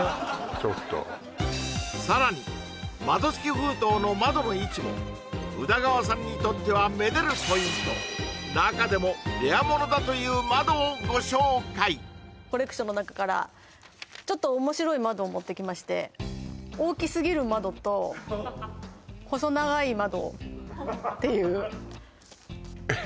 ちょっとさらに窓付き封筒の窓の位置も宇田川さんにとってはめでるポイントなかでもレアものだという窓をご紹介コレクションのなかからちょっとおもしろい窓を持ってきましてっていうえっ